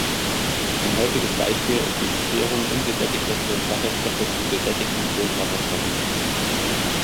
Ein häufiges Beispiel ist die Hydrierung ungesättigter Kohlenwasserstoffe zu gesättigten Kohlenwasserstoffen.